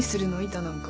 板なんか。